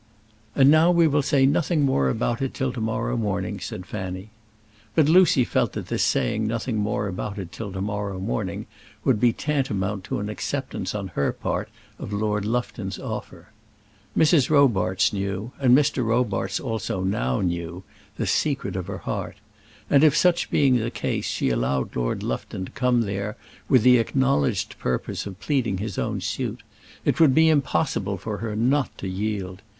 "And now we will say nothing more about it till to morrow morning," said Fanny. But Lucy felt that this saying nothing more about it till to morrow morning would be tantamount to an acceptance on her part of Lord Lufton's offer. Mrs. Robarts knew, and Mr. Robarts also now knew, the secret of her heart; and if, such being the case, she allowed Lord Lufton to come there with the acknowledged purpose of pleading his own suit, it would be impossible for her not to yield.